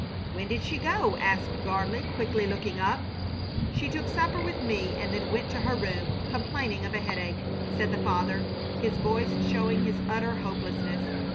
"When did she go?" asked Gardley, quickly looking up. "She took supper with me and then went to her room, complaining of a headache," said the father, his voice showing his utter hopelessness.